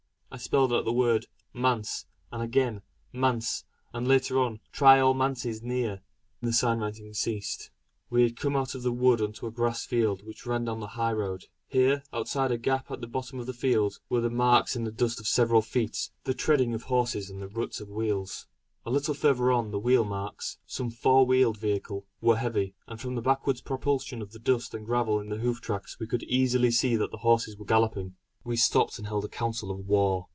I spelled out the word "Manse" and again "Manse" and later on "try all Manses near." Then the sign writing ceased; we had come out of the wood on to a grass field which ran down to the high road. Here, outside a gap at the bottom of the field, were the marks in the dust of several feet, the treading of horses, and the ruts of wheels. A little further on, the wheel marks some four wheeled vehicle were heavy; and from the backward propulsion of the dust and gravel in the hoof tracks we could easily see that the horses were galloping. We stopped and held a council of war.